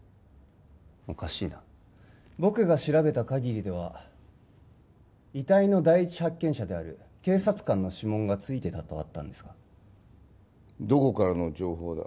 おかしいな僕が調べたかぎりでは遺体の第一発見者である警察官の指紋がついてたとあったんですがどこからの情報だ？